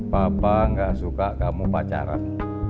papa nggak suka kamu pacaran